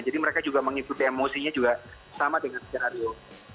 jadi mereka juga mengikuti emosinya juga sama dengan skenario